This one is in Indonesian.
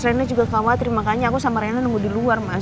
rena juga khawatir makanya aku sama rena nunggu di luar mas